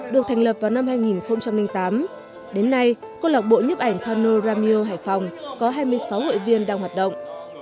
được thành lập vào năm hai nghìn tám đến nay câu lạc bộ nhấp ảnh paro nam mio hải phòng có hai mươi sáu hội viên đang hoạt động